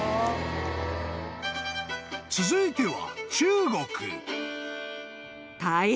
［続いては］